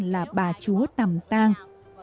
là bà chúa tàm tang